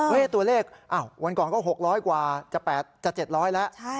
ตัวเลขวันก่อนก็๖๐๐กว่าจะ๗๐๐แล้ว